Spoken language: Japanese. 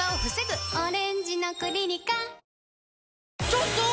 ちょっとー！